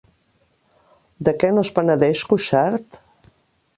De què no es penedeix Cuixart?